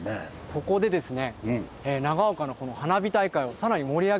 ここでですねはい。